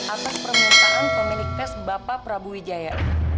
atas permintaan pemilik tes bapak prabu wijaya